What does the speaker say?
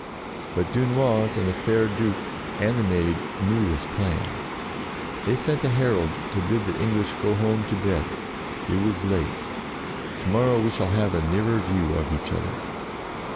But Dunois, and the fair Duke, and the Maid knew this plan. They sent a herald to bid the English go home to bed ; it was late ;" to morrow we shall have a nearer view of each other."